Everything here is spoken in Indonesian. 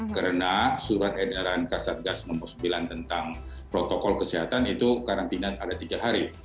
karena surat edaran kasar gas nomor sembilan tentang protokol kesehatan itu karantinan ada tiga hari